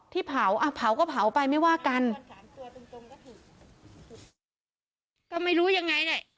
ที่เผาเอ้าเผาก็เผาไปไม่ว่ากัน